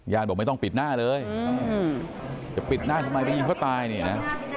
บอกไม่ต้องปิดหน้าเลยจะปิดหน้าทำไมไปยิงเขาตายเนี่ยนะ